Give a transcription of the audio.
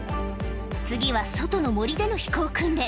次は外の森での飛行訓練